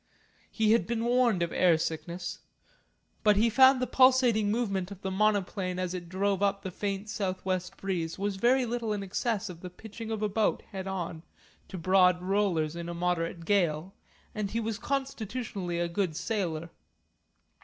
He had been warned of air sickness. But he found the pulsating movement of the monoplane as it drove up the faint south west breeze was very little in excess of the pitching of a boat head on to broad rollers in a moderate gale, and he was constitutionally a good sailor.